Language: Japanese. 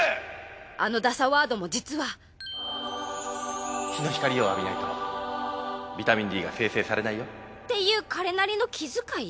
あのダサワードも実は日の光を浴びないとビタミン Ｄ が生っていう彼なりの気遣い？